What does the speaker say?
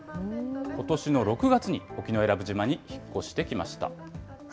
ことしの６月に沖永良部島に引っ越してきました。